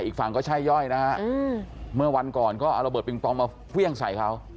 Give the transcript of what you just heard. อีกฝั่งก็ช่ายย่อยนะคะเมื่อวันก่อนก็อระเบิดปิงปองมาเฟวี้ยงใส่เค้า